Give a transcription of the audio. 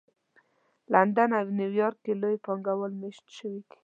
لندن او نیویارک کې لوی پانګه وال مېشت شوي دي